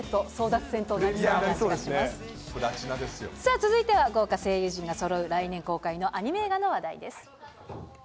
続いては、豪華声優陣がそろう来年公開のアニメ映画の話題です。